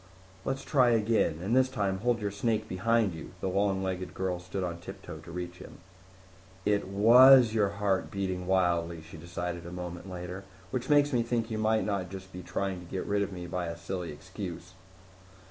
"Let's try again. And this time hold your snake behind you." The long legged girl stood on tiptoe to reach him. "It was your heart beating wildly," she decided a moment later. "Which makes me think you might not just be trying to get rid of me by a silly excuse."